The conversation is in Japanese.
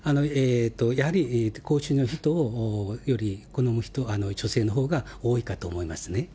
やはり高収入の人をより好む人、女性のほうが多いかと思いますね。